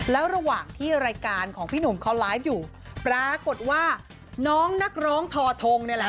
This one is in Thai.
แล้วระหว่างที่รายการของพี่หนุ่มเขาไลฟ์อยู่ปรากฏว่าน้องนักร้องทอทงเนี่ยแหละ